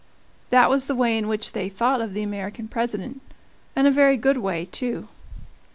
That was the way in which they thought of the American President and a very good way, too.